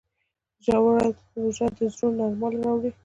روژه د زړونو نرموالی راوړي.